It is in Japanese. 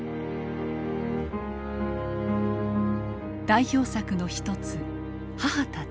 代表作の一つ「母たち」。